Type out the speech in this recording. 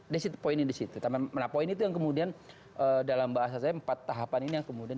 desitu poinnya disitu poin itu yang kemudian dalam bahasa saya empat tahapan ini yang kemudian